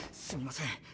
すみません